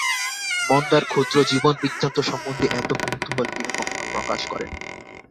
মন্দার ক্ষুদ্র জীবনবৃত্তান্ত সম্বন্ধে এত কৌতূহল কেহ কখনো প্রকাশ করে নাই।